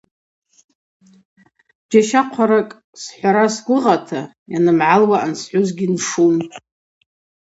Джьащахъваракӏ схӏвара сгвыгъата йанымгӏалуа ансхӏвузгьи ншун.